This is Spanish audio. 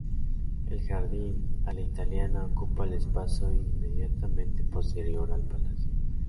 El jardín "a la italiana" ocupa el espacio inmediatamente posterior al palacio.